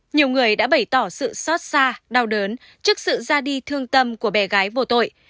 nhiều người đã bày tỏ sự xót xa đau đớn trước sự ra đi thương tâm của bé gái vô tội